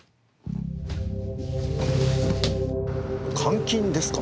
監禁ですか？